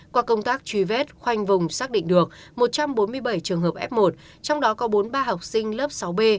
qua công tác truy vết khoanh vùng xác định được một trăm bốn mươi bảy trường hợp f một trong đó có bốn mươi ba học sinh lớp sáu b